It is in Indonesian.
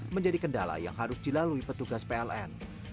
menjadi kendala yang harus dilalui petugas pln